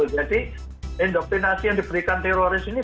jadi endokrinasi yang diberikan teroris ini